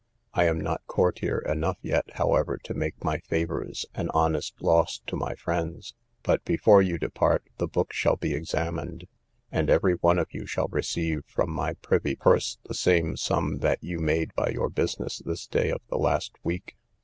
I am not courtier enough yet, however, to make my favours an honest loss to my friends; but, before you depart, the book shall be examined, and every one of you shall receive from my privy purse, the same sum that you made by your business this day of the last week.